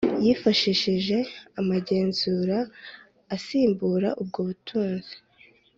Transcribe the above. yifashishije amagenzura asimbura ubwo butunzi